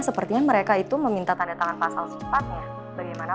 sepertinya mereka itu meminta tanda tangan pasal secepatnya bagaimana